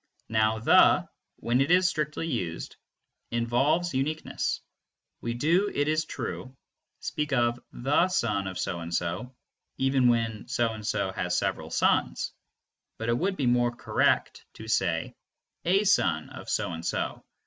Now the, when it is strictly used, involves uniqueness; we do, it is true, speak of "the son of So and so" even when So and so has several sons, but it would be more correct to say "a son of So and so."